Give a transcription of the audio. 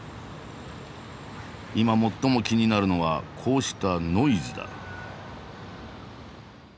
今最も気になるのはこうしたノイズだ。